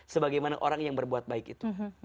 sebagaimana orang yang berbuat baik itu